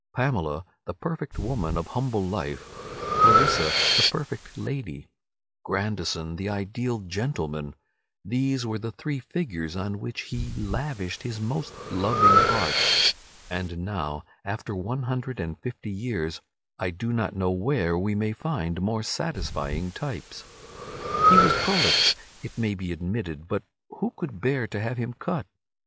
Pamela, the perfect woman of humble life, Clarissa, the perfect lady, Grandison the ideal gentleman—these were the three figures on which he lavished his most loving art. And now, after one hundred and fifty years, I do not know where we may find more satisfying types. He was prolix, it may be admitted, but who could bear to have him cut?